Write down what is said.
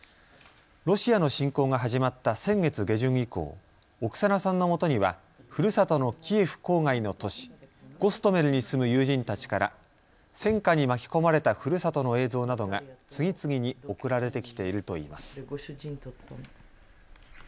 ロシアの侵攻が始まった先月下旬以降、オクサナさんのもとにはふるさとのキエフ郊外の都市、ゴストメルに住む友人たちから戦火に巻き込まれたふるさとの映像などが次々に送られてきているといいます。